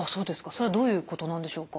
それはどういうことなんでしょうか？